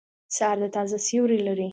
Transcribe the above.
سهار د تازه سیوری لري.